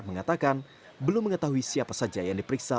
mengatakan belum mengetahui siapa saja yang diperiksa